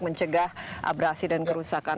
mencegah abrasi dan kerusakan